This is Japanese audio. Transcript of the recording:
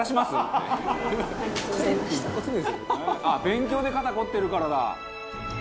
「あっ勉強で肩凝ってるからだ」